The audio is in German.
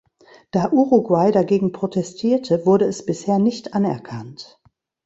Da Uruguay dagegen protestierte, wurde es bisher nicht anerkannt.